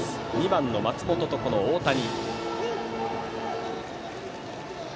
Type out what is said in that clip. ２番の松本と、この大谷。